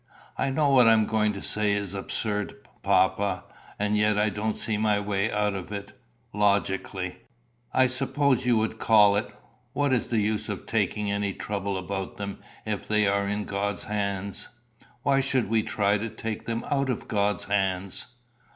"I know what I am going to say is absurd, papa, and yet I don't see my way out of it logically, I suppose you would call it. What is the use of taking any trouble about them if they are in God's hands? Why should we try to take them out of God's hands?"